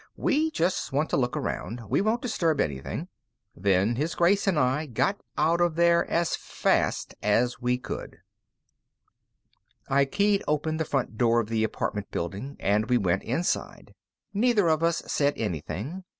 "We just want to look around. We won't disturb anything." Then His Grace and I got out of there as fast as we could. I keyed open the front door of the apartment building, and we went inside. Neither of us said anything.